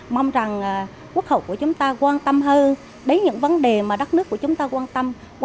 mong rằng quốc hội của chúng ta quan tâm hơn đến những vấn đề mà đất nước của chúng ta quan tâm